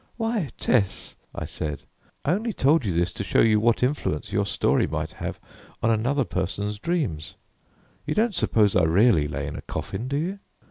"Why, Tess," I said, "I only told you this to show you what influence your story might have on another person's dreams. You don't suppose I really lay in a coffin, do you?